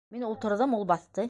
Мин ултырҙым, ул баҫты.